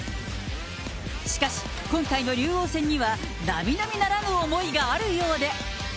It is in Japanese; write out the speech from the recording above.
しかし、今回の竜王戦にはなみなみならぬ思いがあるようで。